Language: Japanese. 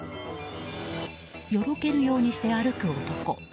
よろけるようにして歩く男。